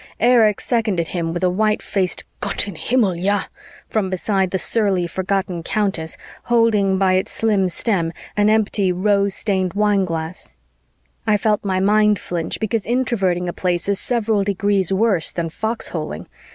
Erich seconded him with a white faced "Gott in Himmel, ja!" from beside the surly, forgotten Countess, holding, by its slim stem, an empty, rose stained wine glass. I felt my mind flinch, because Introverting a Place is several degrees worse than foxholing.